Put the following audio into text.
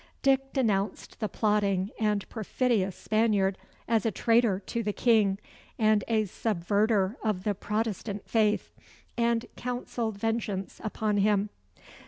Dick denounced the plotting and perfidious Spaniard as a traitor to the King and a subverter of the Protestant faith; and counselled vengeance upon him.